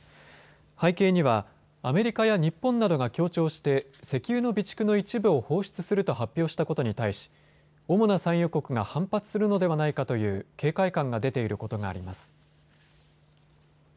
背景にはアメリカや日本などが協調して石油の備蓄の一部を放出すると発表したことに対し主な産油国が反発するのではないかという警戒感が出ていることがあります。